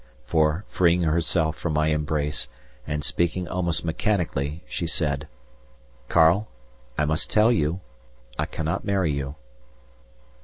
For, freeing herself from my embrace and speaking almost mechanically, she said: "Karl! I must tell you. I cannot marry you."